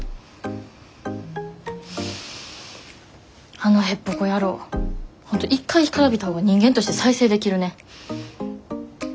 あのへっぽこ野郎本当一回干からびたほうが人間として再生できるね。